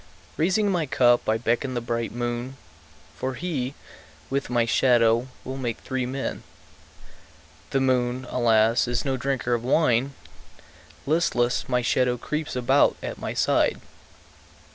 Raising my cup I beckon the bright moon, For he, with my shadow, will make three men. The moon, alas, is no drinker of wine; Listless, my shadow creeps about at my side.